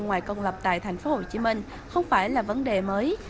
ngoài công lập tại thành phố hồ chí minh không phải là vấn đề mới